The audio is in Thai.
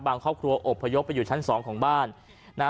ครอบครัวอบพยพไปอยู่ชั้นสองของบ้านนะฮะ